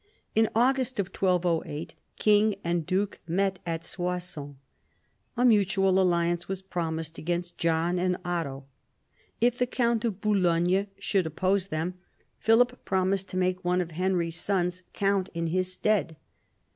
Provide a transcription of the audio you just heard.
In August 1208 king and duke met at Soissons. A mutual alliance was promised against John and Otto. If the count of Boulogne should oppose them, Philip promised to make one of Henry's sons count in his stead.